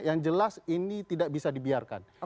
yang jelas ini tidak bisa dibiarkan